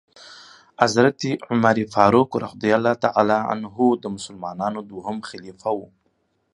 حضرت عمرفاروق رضی الله تعالی عنه د مسلمانانو دوهم خليفه وو .